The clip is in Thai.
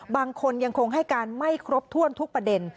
บางคนยังคงให้การไม่ครบถ้วนทุกประเด็น